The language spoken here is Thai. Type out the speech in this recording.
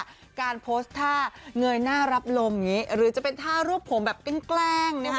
เป็นการโพสต์ท่าเงยหน้ารับลมหรือจะเป็นท่ารูปผมแบบแกล้งแกล้ง